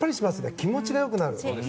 気持ちが良くなる。